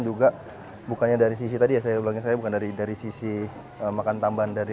juga bukannya dari sisi tadi ya saya ulangi saya bukan dari dari sisi makan tambahan dari